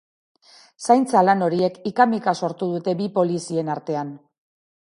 Zaintza lan horiek hika-mika sortu dute bi polizien artean.